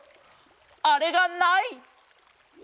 あれがない！